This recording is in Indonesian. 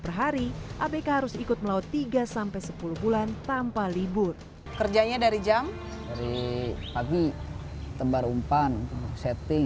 perhari abk harus ikut melaut tiga sepuluh bulan tanpa libur kerjanya dari jam dari pagi tembar umpan setting